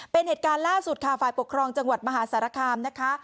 เป็นเหตุการณ์ล่าสุดค่ะฝ่ายปกครองจังหวัดมหาสารคามนะคะ